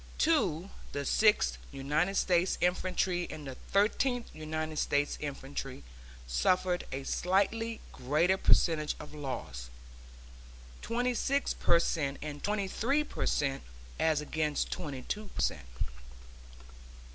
Two, the Sixth United States Infantry and the Thirteenth United States Infantry, suffered a slightly greater percentage of loss twenty six per cent and twenty three per cent as against twenty two per cent.